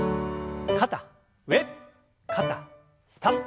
肩上肩下。